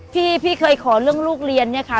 พี่เคยขอเรื่องลูกเรียนเนี่ยค่ะ